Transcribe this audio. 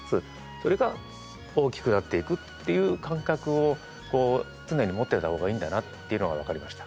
それが大きくなっていくっていう感覚をこう常に持っていた方がいいんだなっていうのが分かりました。